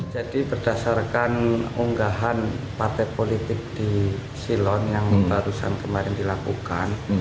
jadi berdasarkan unggahan partai politik di silon yang barusan kemarin dilakukan